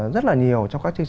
rất là nhiều